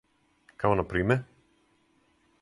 Као на приме?